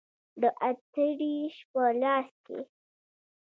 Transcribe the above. د اتریش په لاس کې و.